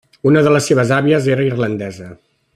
Una de les seves àvies era irlandesa.